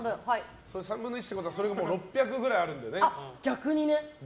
３分の１ってことはそれが６００くらいあるんだよね。